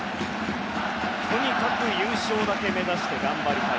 とにかく優勝だけ目指して頑張りたい。